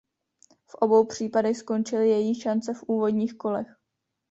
V obou případech skončili její šance v úvodních kolech.